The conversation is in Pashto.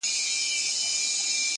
زما خو ټوله زنده گي توره ده,